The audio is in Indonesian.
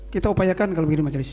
kita upayakan kalau begini majelis